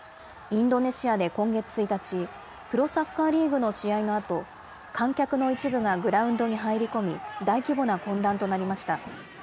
インドネシアで今月１日、プロサッカーリーグの試合のあと、観客の一部がグラウンドに入り込み、大規模な混乱となりました。